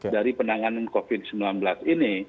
dari penanganan covid sembilan belas ini